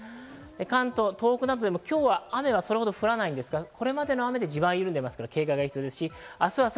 関東、東北などでも今日はそれほど雨は降らないんですが、これまでの雨で地盤が緩んでいるので警戒が必要です。